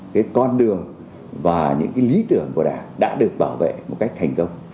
cái con đường và những cái lý tưởng của đảng đã được bảo vệ một cách thành công